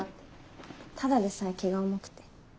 ただでさえ気が重くて。